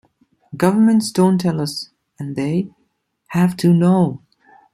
Governments don't tell us and they "have to know".